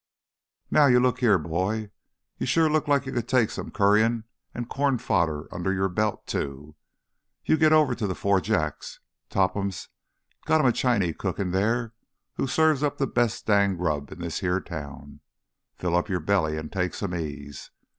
Now you looky here, boy—you sure look like you could take some curryin' an' corn fodder under your belt too. You git over to th' Four Jacks. Topham's got him a Chinee cookin' there who serves up th' best danged grub in this here town. Fill up your belly an' take some ease.